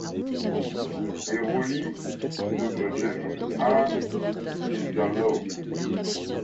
Elle relie Debrecen à Tiszalök.